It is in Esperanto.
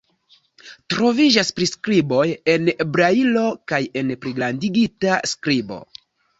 Troviĝas priskriboj en brajlo kaj en pligrandigita skribo.